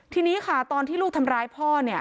ทีนี้ค่ะตอนที่ลูกทำร้ายพ่อเนี่ย